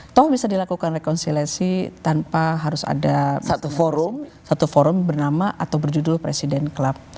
atau bisa dilakukan rekonsiliasi tanpa harus ada satu forum bernama atau berjudul presiden club